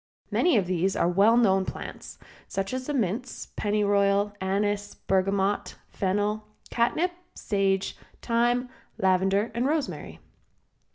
Many of these are well known plants, such as the mints, pennyroyal, anise, bergamot, fennel, catnip, sage, thyme, lavender and rosemary.